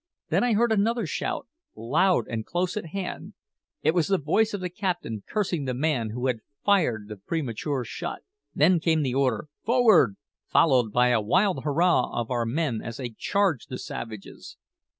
Then I heard another shout, loud and close at hand; it was the voice of the captain cursing the man who had fired the premature shot. Then came the order, "Forward!" followed by a wild hurrah of our men as they charged the savages.